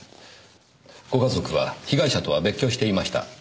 ご家族は被害者とは別居していました。